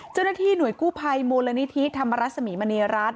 เจ้าหน้าที่หน่วยกู้ภัยมูลนิธิธรรมรสมีมณีรัฐ